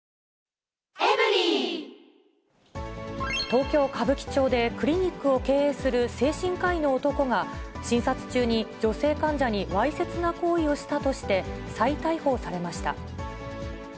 東京・歌舞伎町で、クリニックを経営する精神科医の男が、診察中に女性患者にわいせつな行為をしたとして、再逮捕されました。